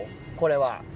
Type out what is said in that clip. これは。